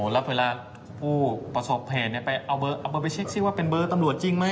แล้วเวลาผู้ประสบเหตุไปเอาเบอร์ไปเช็คซิว่าเป็นเบอร์ตำรวจจริงไหม